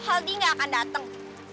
aldi ga akan dateng